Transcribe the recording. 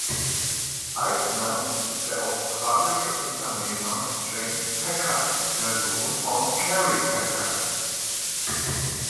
Eigner ist der australische Unternehmer James Packer, der Sohn von Kerry Packer.